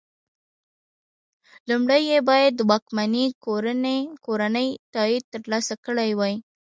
لومړی یې باید د واکمنې کورنۍ تایید ترلاسه کړی وای.